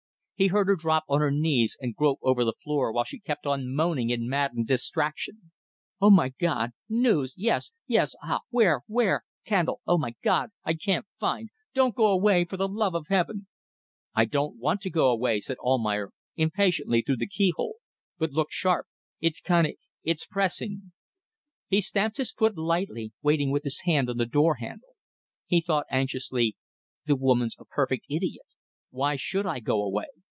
He heard her drop on her knees and grope over the floor while she kept on moaning in maddened distraction. "Oh, my God! News! Yes ... yes. ... Ah! where ... where ... candle. Oh, my God! ... I can't find ... Don't go away, for the love of Heaven ..." "I don't want to go away," said Almayer, impatiently, through the keyhole; "but look sharp. It's coni ... it's pressing." He stamped his foot lightly, waiting with his hand on the door handle. He thought anxiously: The woman's a perfect idiot. Why should I go away?